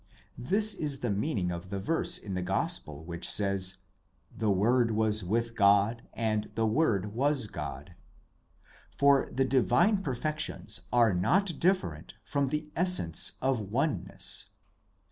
This is the meaning of the verse in the Gospel which says: 'The Word was with God, and the Word was God'; for the divine perfections are not different from the Essence of Oneness.